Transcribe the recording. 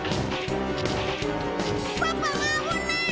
パパが危ない！